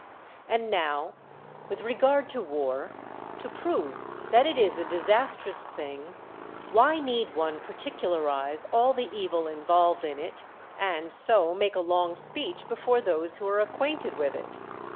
And now with rea'ard to war, to prove that it is a disas trous thincf, why need one particularize all the evil involved in it, and so juake a Ions,' speech before those who are acquainted with it?